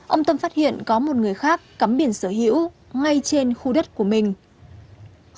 ông tâm phát hiện có một người khác cắm biển sở hữu ngay trên khu đất của mình